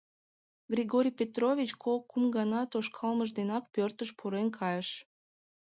Григорий Петрович кок-кум гана тошкалмыж денак пӧртыш пурен кайыш.